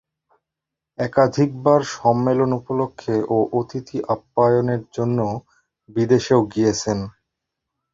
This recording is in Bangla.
একাধিকবার সম্মেলন উপলক্ষে ও অতিথি-অধ্যাপনার জন্য বিদেশেও গিয়েছেন।